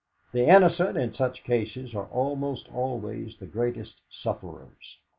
The innocent in such cases are almost always the greatest sufferers.